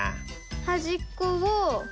はじっこをおる。